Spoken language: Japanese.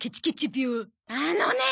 あのねえ！